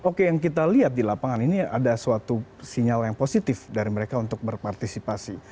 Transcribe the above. oke yang kita lihat di lapangan ini ada suatu sinyal yang positif dari mereka untuk berpartisipasi